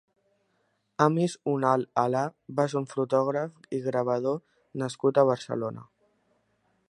Amis Unal Alá va ser un fotògraf i gravador nascut a Barcelona.